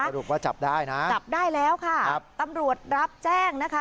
รุปว่าจับได้นะจับได้แล้วค่ะครับตำรวจรับแจ้งนะคะ